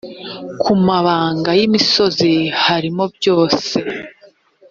ku mabanga y imisozi harimo byose